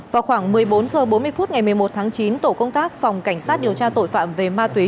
vào khoảng một mươi bốn h bốn mươi phút ngày một mươi một tháng chín tổ công tác phòng cảnh sát điều tra tội phạm về ma túy